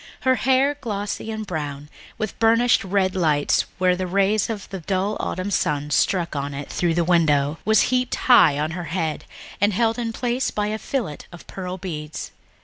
Her hair, glossy and brown, with burnished red lights where the rays of the dull autumn sun struck on it through the window, was heaped high on her head and held in place by a fillet of pearl beads.